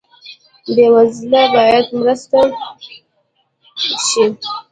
بې وزله باید مرسته شي